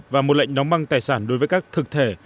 và một lệnh đóng băng tài sản đối với các thực thể